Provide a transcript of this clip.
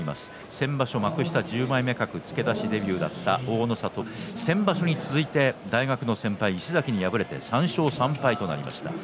先場所、幕下１０枚目格付け出しデビューだった大の里は先場所に続いて大学の先輩石崎に敗れて３勝３敗となりました。